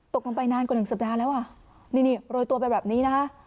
ตกลงไปนานกว่าหนึ่งสัปดาห์แล้วอ่ะนี่นี่โรยตัวไปแบบนี้นะคะ